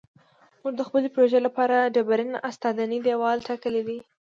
موږ د خپلې پروژې لپاره ډبرین استنادي دیوال ټاکلی دی